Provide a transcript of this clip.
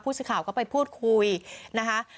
พูดสิทธิ์ข่าวก็ไปพูดคุยนะครับ